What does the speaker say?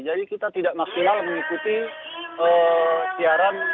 jadi kita tidak maksimal mengikuti siaran